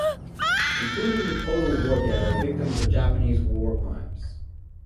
Included with total war dead are victims of Japanese war crimes.